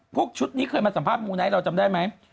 ชุดนี้เคยมาสัมภาษณมูไนท์เราจำได้ไหม